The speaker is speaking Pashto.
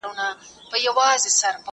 هغه وويل چي درسونه تيارول ضروري دي!.